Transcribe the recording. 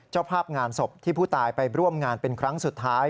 เจ้าภาพงานศพที่ผู้ตายไปร่วมงานเป็นครั้งสุดท้าย